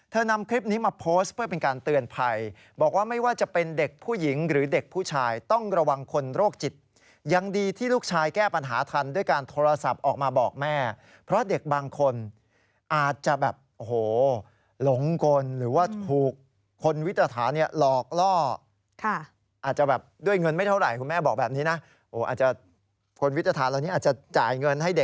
นำคลิปนี้มาโพสต์เพื่อเป็นการเตือนภัยบอกว่าไม่ว่าจะเป็นเด็กผู้หญิงหรือเด็กผู้ชายต้องระวังคนโรคจิตยังดีที่ลูกชายแก้ปัญหาทันด้วยการโทรศัพท์ออกมาบอกแม่เพราะเด็กบางคนอาจจะแบบโอ้โหหลงกลหรือว่าถูกคนวิตรฐานเนี่ยหลอกล่ออาจจะแบบด้วยเงินไม่เท่าไหร่คุณแม่บอกแบบนี้นะ